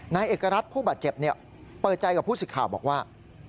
นายเอกรัฐศรีผู้บาดเจ็บเนี่ยเปิดใจกับผู้สิทธิ์ข่าวบอกว่า